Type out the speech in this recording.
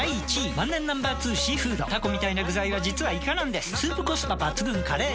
万年Ｎｏ．２「シーフード」タコみたいな具材は実はイカなんですスープコスパ抜群「カレー」！